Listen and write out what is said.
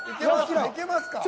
いけますか？